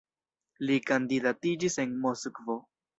Li kandidatiĝis en Moskvo.